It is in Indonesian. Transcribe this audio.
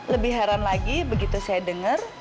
lebih heran lagi begitu saya dengar